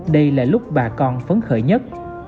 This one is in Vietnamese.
đây là lúc bà con phấn khởi nhất